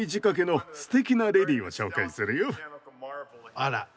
あら。